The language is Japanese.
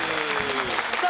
さあ